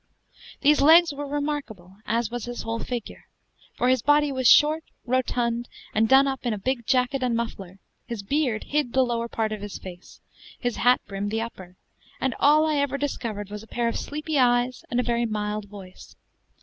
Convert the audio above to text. These legs were remarkable, as was his whole figure: for his body was short, rotund, and done up in a big jacket and muffler; his beard hid the lower part of his face, his hat brim the upper, and all I ever discovered was a pair of sleepy eyes and a very mild voice.